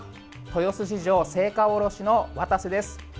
豊洲市場青果卸の渡瀬です。